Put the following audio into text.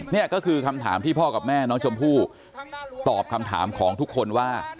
นี่ก็คือคำถามที่พ่อกับแม่น้องชมพู่ตอบคำถามของทุกคนว่า